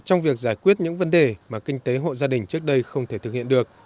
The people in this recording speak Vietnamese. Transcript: trong việc giải quyết những vấn đề mà kinh tế hộ gia đình trước đây không thể thực hiện được